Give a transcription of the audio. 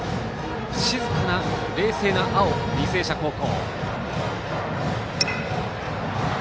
静かな冷静な青、履正社高校。